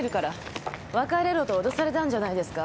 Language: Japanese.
「別れろ」と脅されたんじゃないですか？